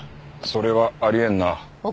それはあり得んな。